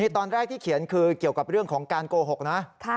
ตอนแรกที่เขียนคือเกี่ยวกับเรื่องของการโกหกนะ